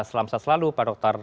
selamat selalu pak dokter